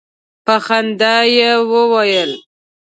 په خندا یې وویل.